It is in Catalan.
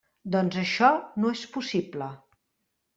Doncs això no és possible.